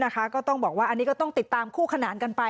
ก็ต้องติดตามคู่ขนานกันไป